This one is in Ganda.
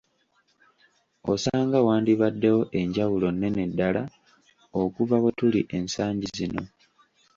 Osanga wandibaddewo enjawulo nnene ddala okuva we tuli ensangi zino.